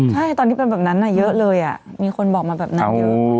ใช่ตอนที่เป็นแบบนั้นเยอะเลยมีคนบอกมาแบบนั้นเยอะ